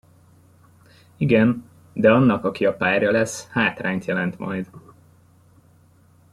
Igen, de annak, aki a párja lesz, hátrányt jelent majd